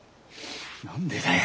何でだよ。